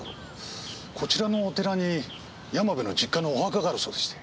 こちらのお寺に山部の実家のお墓があるそうでして。